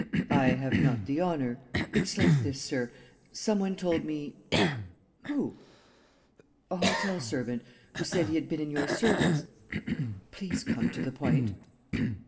"I have not the honor ..." "It's like this, sir. ... Some one told me ..." "Who?" "A hotel servant ... who said he had been in your service. ..." "Please come to the point.